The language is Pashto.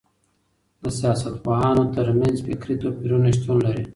د سياستپوهانو ترمنځ فکري توپيرونه شتون لري.